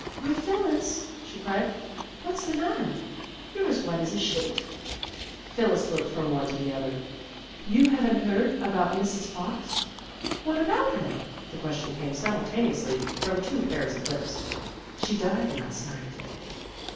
"Why, Phyllis, " she cried. "What's the matter? You're as white as a sheet." Phyllis looked from one to the other. "You haven't heard about Mrs. Fox?" "What about her?" The question came simultaneously from two pairs of lips. "She died last night."